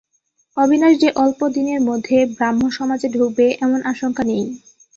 অবিনাশ যে অল্পদিনের মধ্যে ব্রাহ্মসমাজে ঢুকবে এমন আশঙ্কা নেই।